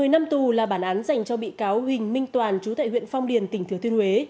một mươi năm tù là bản án dành cho bị cáo huỳnh minh toàn chú tại huyện phong điền tỉnh thừa thiên huế